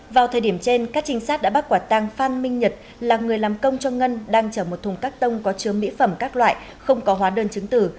vào thời điểm trên các trinh sát đã bắt quả tăng phan minh nhật là người làm công cho ngân đang chở một thùng các tông có chứa mỹ phẩm các loại không có hóa đơn chứng tử